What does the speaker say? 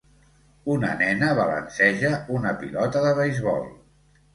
Una nena balanceja una pilota de beisbol.